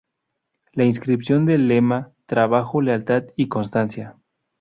La inscripción del lema: Trabajo, Lealtad y Constancia.